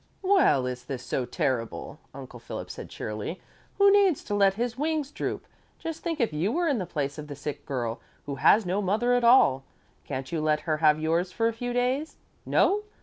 "Well, is this so terrible?" Uncle Philip said cheerily. "Who needs to let his wings droop? Just think if you were in the place of the sick girl, who has no mother at all! Can't you let her have yours for a few days? No?